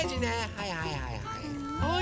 はいはいはいはい。